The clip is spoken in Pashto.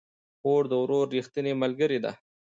خور د ورور ريښتينې ملګرې ده